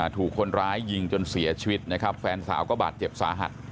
ถูกคนร้ายยิงจนเสียชีวิตนะครับแฟนสาวก็บาดเจ็บสาหัส